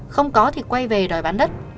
không có thì quay về đòi bán đất